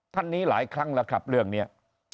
ท่านนี้หลายครั้งแล้วครับเรื่องนี้